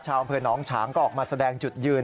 อำเภอหนองฉางก็ออกมาแสดงจุดยืน